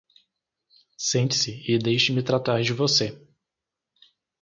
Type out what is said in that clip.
Sente-se e deixe-me tratar de você.